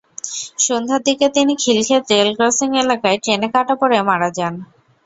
সন্ধ্যার দিকে তিনি খিলক্ষেত রেলক্রসিং এলাকায় ট্রেনে কাটা পড়ে মারা যান।